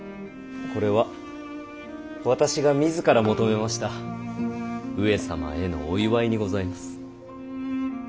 これは私が自ら求めました上様へのお祝いにございます。